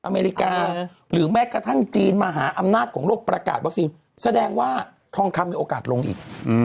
อเมริกาหรือแม้กระทั่งจีนมหาอำนาจของโลกประกาศวัคซีนแสดงว่าทองคำมีโอกาสลงอีก